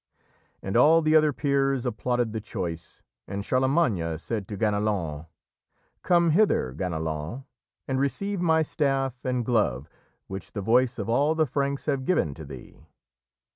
And all the other peers applauded the choice, and Charlemagne said to Ganelon: "Come hither, Ganelon, and receive my staff and glove, which the voice of all the Franks have given to thee."